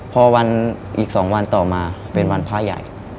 พอวันอีก๒วันต่อมาเป็นวันพระใหญ่